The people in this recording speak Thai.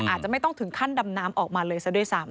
อาจจะไม่ต้องถึงขั้นดำน้ำออกมาเลยซะด้วยซ้ำ